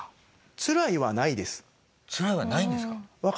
つらいはないんですか？